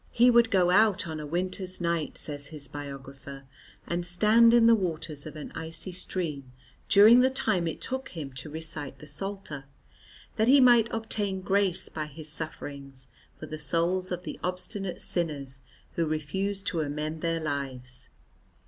He would go out on a winter's night, says his biographer, and stand in the waters of an icy stream during the time it took him to recite the Psalter, that he might obtain grace by his sufferings for the souls of the obstinate sinners who refused to amend their lives.